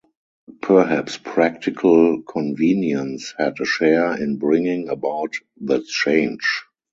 Perhaps practical convenience had a share in bringing about the change.